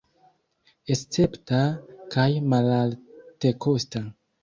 Escepta kaj malaltekosta.